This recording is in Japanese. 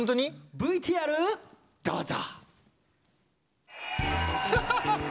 ＶＴＲ、どうぞ！